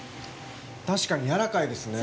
確かに、やらかいですね。